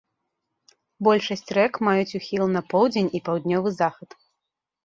Большасць рэк маюць ухіл на поўдзень і паўднёвы захад.